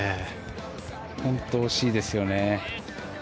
本当に惜しいですよね。